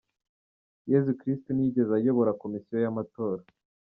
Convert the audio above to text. Yezu Kristu ntiyigeze ayobora Komisiyo y’Amatora.